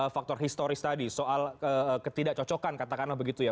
faktor historis tadi soal ketidakcocokan katakanlah begitu ya